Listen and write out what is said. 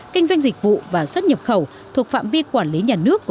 kinh doanh dịch vụ và xuất nhập khẩu thuộc phạm vi quản lý nhà nước